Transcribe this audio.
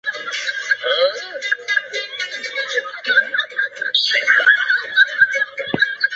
桌上足球中足球小人的排列是标准化的。